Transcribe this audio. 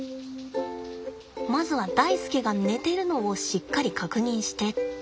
まずはダイスケが寝てるのをしっかり確認してと。